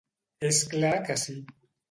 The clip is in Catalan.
És clar que sí.